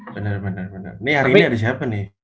bener bener nih hari ini ada siapa nih